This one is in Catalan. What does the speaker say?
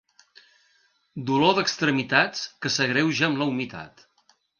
Dolor d'extremitats que s'agreuja amb la humitat.